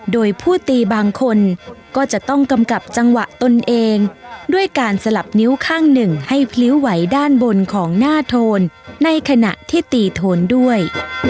โดยผู้ตีบางคนก็จะต้องกำกับจังหวะตนเองด้วยการสลับนิ้วข้างหนึ่งให้พลิ้วไหวด้านบนของหน้าโทนในขณะที่ตีโทนด้วย